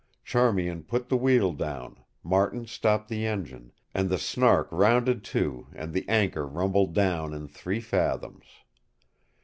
Charmian put the wheel down, Martin stopped the engine, and the Snark rounded to and the anchor rumbled down in three fathoms.